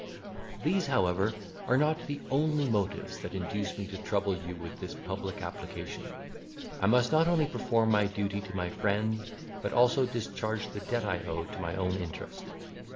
These, however, are not the only motives that induce me to trouble you with this public application. I must not only perform my duty to my friends, but also discharge the debt I owe to my own interest.